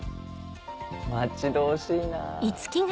待ち遠しいな。